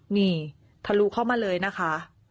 นี่ทะลุเข้ามาเลยนะคะ